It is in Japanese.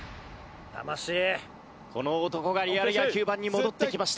この男がリアル野球ＢＡＮに戻ってきました。